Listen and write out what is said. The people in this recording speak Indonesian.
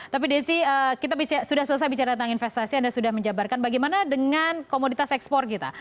tapi desi kita sudah selesai bicara tentang investasi anda sudah menjabarkan bagaimana dengan komoditas ekspor kita